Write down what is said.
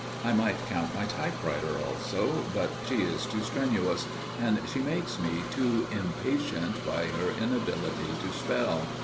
I might count my typewriter, also, but she is too strenuous, and she makes me too impatient by her inability to spell.